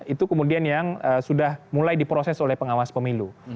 itu kemudian yang sudah mulai diproses oleh pengawas pemilu